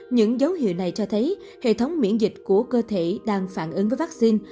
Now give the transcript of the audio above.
những dấu hiệu này cho thấy hệ thống miễn dịch của cơ thể đang phản ứng với vắc xin